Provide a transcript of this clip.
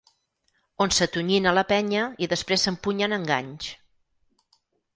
On s’atonyina la penya i després s’empunyen enganys.